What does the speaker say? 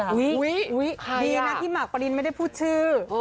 ดีนะที่หมากปรินไม่ได้พูดชื่อ